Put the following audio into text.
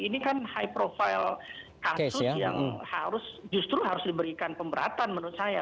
ini kan high profile kasus yang harus justru harus diberikan pemberatan menurut saya